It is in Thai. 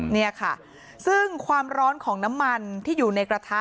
นี่ค่ะซึ่งความร้อนของน้ำมันที่อยู่ในกระทะ